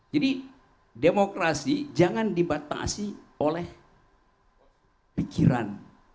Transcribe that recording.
jadi demokrasi jangan dibatasi oleh pikiran